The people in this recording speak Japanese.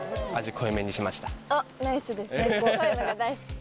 濃いのが大好き。